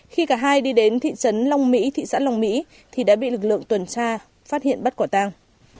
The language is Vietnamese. khi cả hai đi đến thị trấn long mỹ thị xã long mỹ thì đã bị lực lượng tuần tra phát hiện bắt quả tang